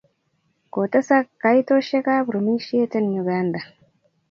kotesak kaitoshek ab rumishet en Uganda